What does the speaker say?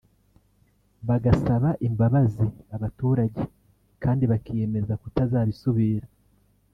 bagasaba imbabazi abaturage kandi bakiyemeza kutazabisubira